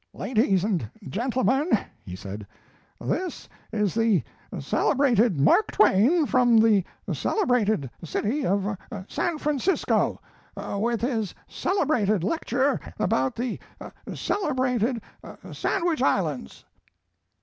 "Ladies and gentlemen," he said, "this is the celebrated Mark Twain from the celebrated city of San Francisco, with his celebrated lecture about the celebrated Sandwich Islands."